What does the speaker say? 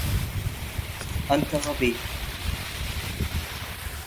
أنت غبي.